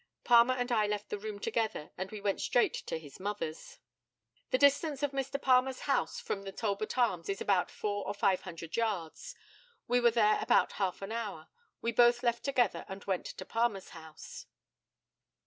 Palmer and I left the room together, and we went straight to his mother's. The distance of Mr. Palmer's house from the Talbot Arms is about four or five hundred yards. We were there about half an hour. We both left together and went to Palmer's house.